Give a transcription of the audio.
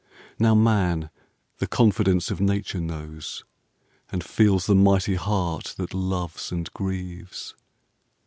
Now Man the confidence of Nature knows, And feels the mighty heart that loves and grieves.